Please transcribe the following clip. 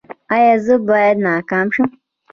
ایا زه باید ناکام شم؟